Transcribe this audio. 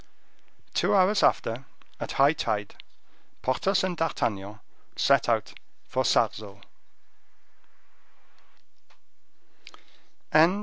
Two hours after, at high tide, Porthos and D'Artagnan set out for Sarzeau.